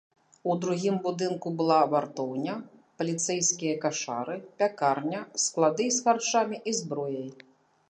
У другім будынку была вартоўня, паліцэйскія кашары, пякарня, склады з харчамі і зброяй.